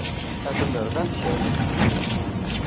Atan rnan-d kra n medden.